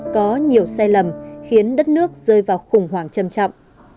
có nhiều sai lầm khiến đất nước rơi vào khủng hoảng trầm trọng